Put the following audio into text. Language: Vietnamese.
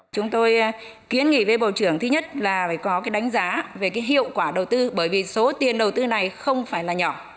chúng tôi kiến nghị với bộ trưởng thứ nhất là phải có cái đánh giá về cái hiệu quả đầu tư bởi vì số tiền đầu tư này không phải là nhỏ